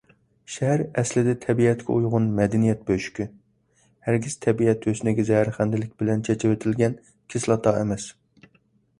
شەھەر ئەسلىدە تەبىئەتكە ئۇيغۇن مەدەنىيەت بۆشۈكى، ھەرگىز تەبىئەت ھۆسنىگە زەھەرخەندىلىك بىلەن چېچىۋېتىلگەن كىسلاتا ئەمەس.